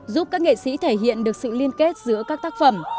giúp các nghệ sĩ thể hiện được sự liên kết giữa các tác phẩm